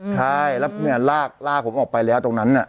ใช่แล้วเนี่ยลากผมออกไปแล้วตรงนั้น